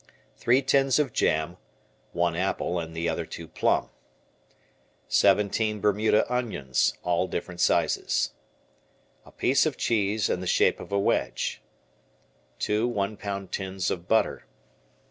Three tins of jam, one apple, and the other two plum. Seventeen Bermuda onions, all different sizes. A piece of cheese in the shape of a wedge. Two one pound tins of butter.